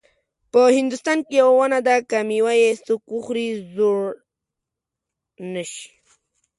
په هندوستان کې یوه ونه ده که میوه یې څوک وخوري زوړ نه شي.